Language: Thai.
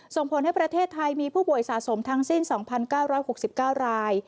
ส่งผลให้ประเทศไทยมีผู้ป่วยสะสมทั้งสิ้น๒๙๖๙ราย